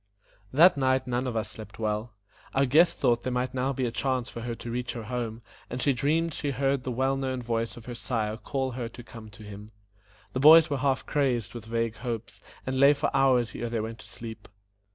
That night none of us slept well; our guest thought there might now be a chance for her to reach her home, and she dreamed she heard the well known voice of her sire call her to come to him. The boys were half crazed with vague hopes, and lay for hours ere they went to sleep.